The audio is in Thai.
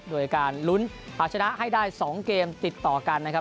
โดยการลุ้นเอาชนะให้ได้๒เกมติดต่อกันนะครับ